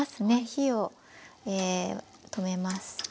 火を止めます。